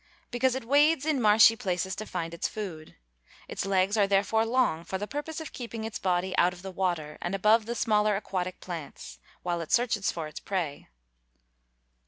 _ Because it wades in marshy places to find its food. Its legs are therefore long, for the purpose of keeping its body out of the water, and above the smaller aquatic plants, while it searches for its prey.